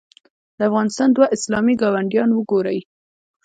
د افغانستان دوه اسلامي ګاونډیان وګورئ.